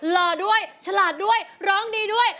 ร้องดีด้วยฉลาดด้วยร้องดีด้วย